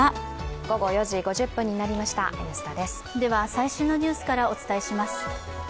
最新のニュースからお伝えします。